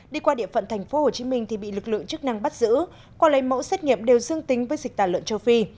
đi qua địa phận thành phố hồ chí minh thì bị lực lượng chức năng bắt giữ qua lấy mẫu xét nghiệm đều dương tính với dịch tà lợn châu phi